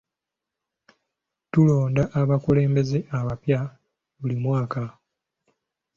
Tulonda abakulembeze abapya buli mwaka.